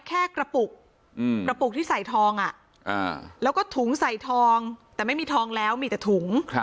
แค่กระปุกกระปุกที่ใส่ทองแล้วก็ถุงใส่ทองแต่ไม่มีทองแล้วมีแต่ถุง